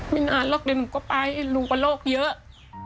ไม่นานหรอกเดินกว่าไปรู้ว่าโรคเยอะ